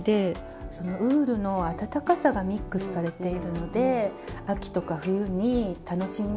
そのウールの温かさがミックスされているので秋とか冬に楽しみやすいですよね。